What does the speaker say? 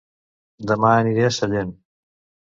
Dema aniré a Sallent